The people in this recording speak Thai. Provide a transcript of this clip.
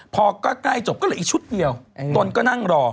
พอก็ใกล้จบก็เลยอีกชุดเดียวตนก็นั่งรอ